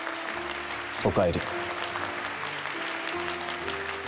おかえり。